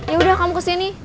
yaudah kamu kesini